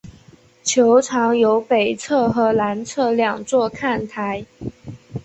球场有北侧和南侧两座看台。